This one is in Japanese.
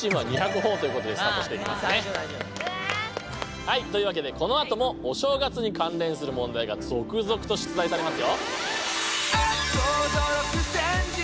はいというわけでこのあともお正月に関連する問題が続々と出題されますよ。